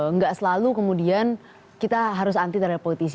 nggak selalu kemudian kita harus anti terhadap politisi